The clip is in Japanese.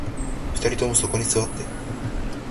二人ともそこに座って